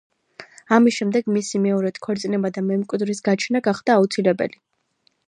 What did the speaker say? ამის შემდეგ, მისი მეორედ ქორწინება და მემკვიდრის გაჩენა გახდა აუცილებელი.